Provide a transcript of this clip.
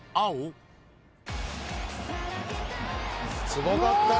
すごかったね